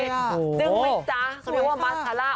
จึ้งไหมจ๊ะเขาเรียกว่าบาสซาร่า